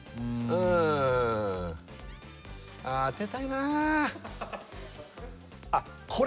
うーん当てたいなあ